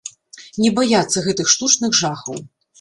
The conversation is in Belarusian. Не баяцца гэтых штучных жахаў.